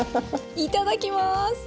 いただきます。